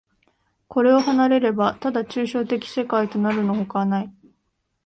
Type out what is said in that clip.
これを離れれば、ただ抽象的世界となるのほかない。